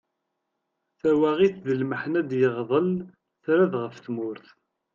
Tawaγit d lmeḥna d-yeγḍel ṭrad γef tmurt.